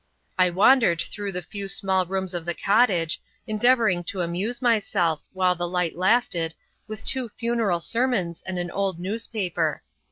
I wandered through the few small rooms of the cottage, endeavoring to amuse myself, while the light lasted, with two funeral sermons and an old newspaper.